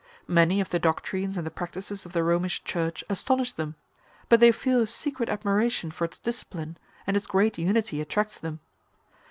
Many of the doctrines and the practices of the Romish Church astonish them; but they feel a secret admiration for its discipline, and its great unity attracts them.